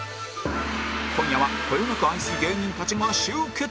今夜はこよなく愛する芸人たちが集結